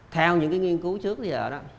theo những cái nghiên cứu trước bây giờ đó